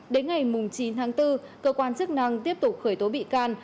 đến ngày chín tháng bốn cơ quan chức năng tiếp tục khởi tố bị can